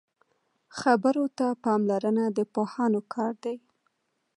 خبرو ته پاملرنه د پوهانو کار دی